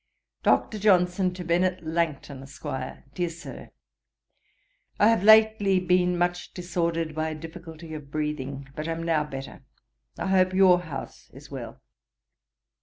'DR. JOHNSON TO BENNET LANGTON, ESQ. 'DEAR SIR, 'I have lately been much disordered by a difficulty of breathing, but am now better. I hope your house is well.